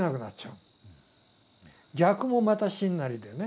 逆もまた真なりでね。